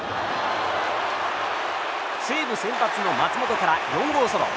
西武先発の松本から４号ソロ。